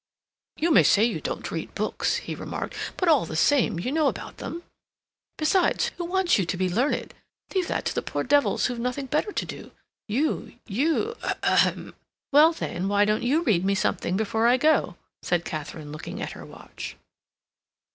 "You may say you don't read books," he remarked, "but, all the same, you know about them. Besides, who wants you to be learned? Leave that to the poor devils who've got nothing better to do. You—you—ahem!—" "Well, then, why don't you read me something before I go?" said Katharine, looking at her watch.